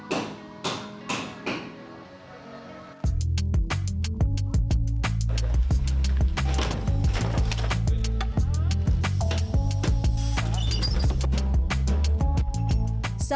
sampah besar yang diperlukan untuk membuat sampah besar